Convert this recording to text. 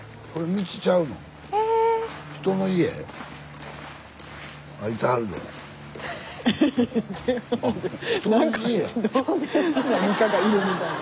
スタジオ何かがいるみたいな。